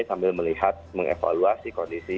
sambil melihat mengevaluasi kondisi